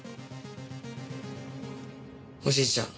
おじいちゃん